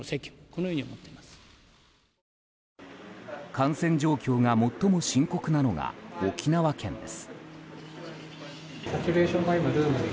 感染状況が最も深刻なのが沖縄県です。